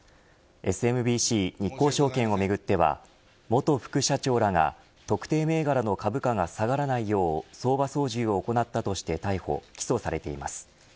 ＳＢＭＣ日興証券をめぐっては元副社長らが特定銘柄の株価が下がらないよう相場操縦を行ったとして逮捕起訴されています。